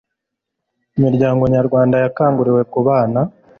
imiryango nyarwanda yakanguriwe kubana